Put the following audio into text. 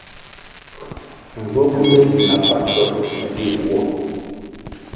Njwo bunde yi na na pan dol me bir nwo.